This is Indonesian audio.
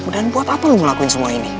dan buat apa lo ngelakuin semua ini